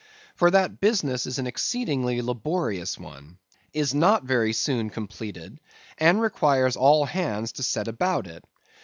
For that business is an exceedingly laborious one; is not very soon completed; and requires all hands to set about it.